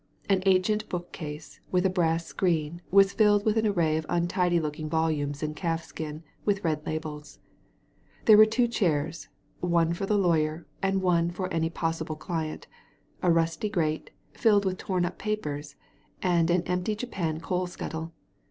An ancient bookcase, with a brass screen, was filled with an array of untidy looking volumes in calf skin, with red labels ; there were two chairs — one for the lawj'er and one for any possible client, a rusty grate, filled with tom up papers, and an empty Japan coal scuttle.